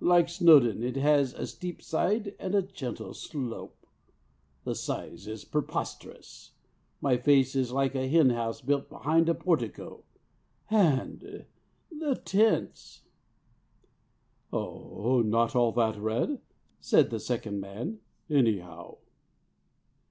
Like Snowdon, it has a steep side and a gentle slope. The size is preposterous: my face is like a hen house built behind a portico. And the tints!" "It is not all red," said the second man, "anyhow."